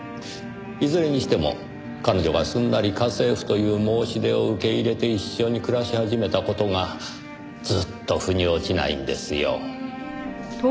いずれにしても彼女がすんなり家政婦という申し出を受け入れて一緒に暮らし始めた事がずっと腑に落ちないんですよ。